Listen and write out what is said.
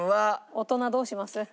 大人どうします？